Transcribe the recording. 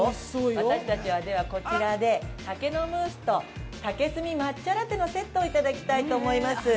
私たちは、ではこちらで、竹ノムースと、竹炭抹茶ラテのセットをいただきたいと思います。